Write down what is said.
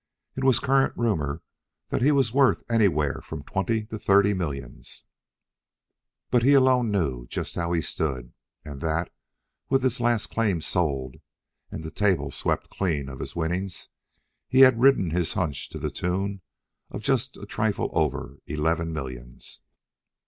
It was current rumor that he was worth anywhere from twenty to thirty millions. But he alone knew just how he stood, and that, with his last claim sold and the table swept clean of his winnings, he had ridden his hunch to the tune of just a trifle over eleven millions.